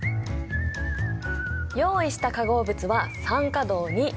用意した化合物は酸化銅。